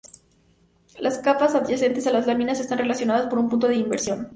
Las capas adyacentes a las láminas están relacionadas por un punto de inversión.